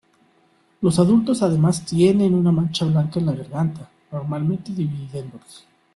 Los adultos además tienen una mancha blanca en la garganta, normalmente dividida en dos.